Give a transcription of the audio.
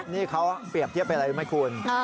นี่เขาเปรียบเทียบไปเลยไหมคุณ